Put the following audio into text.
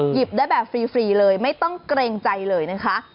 หยิบได้แบบฟรีเลยไม่ต้องเกรงใจเลยนะคะ